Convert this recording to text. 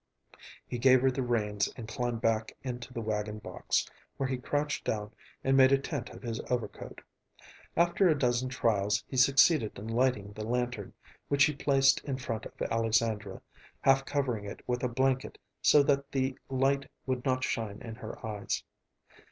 He gave her the reins and climbed back into the wagon box, where he crouched down and made a tent of his overcoat. After a dozen trials he succeeded in lighting the lantern, which he placed in front of Alexandra, half covering it with a blanket so that the light would not shine in her eyes.